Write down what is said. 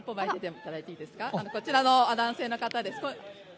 こちらの男性の方です。